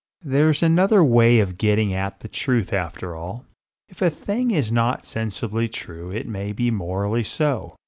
There's another way of getting at the truth after all. If a thing is not sensibly true it may be morally so.